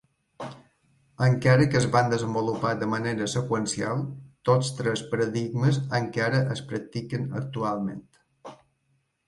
Encara que es van desenvolupar de manera seqüencial, tots tres paradigmes encara es practiquen actualment.